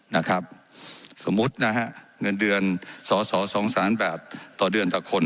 นะครับสมมุตินะฮะเงินเดือนสสสองสามแบบต่อเดือนทุกคน